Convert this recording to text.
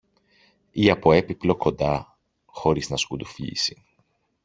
ή από έπιπλο κοντά χωρίς να σκουντουφλήσει.